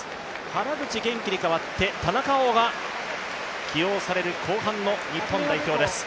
原口元気に代わって、田中碧が起用される後半の日本代表です。